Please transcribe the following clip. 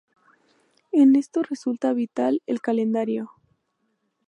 En esto resulta vital el calendario.